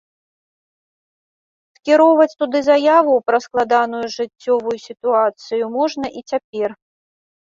Скіроўваць туды заяву пра складаную жыццёвую сітуацыю можна і цяпер.